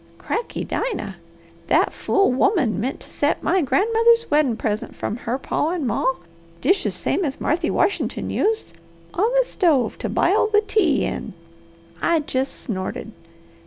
Cracky Dinah! That fool woman meant to set my grandmother's weddin' present from her pa and ma, dishes same as Marthy Washington used, on the stove to bile the tea in. I jest snorted!